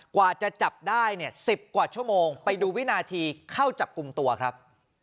กว่าจะจับได้เนี่ย๑๐กว่าชั่วโมงไปดูวินาทีเข้าจับกลุ่มตัวครับ